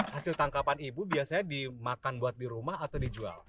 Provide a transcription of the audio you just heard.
hasil tangkapan ibu biasanya dimakan buat di rumah atau dijual